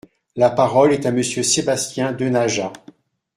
La parole est à Monsieur Sébastien Denaja.